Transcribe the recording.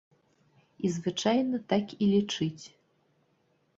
І звычайна так і лічыць.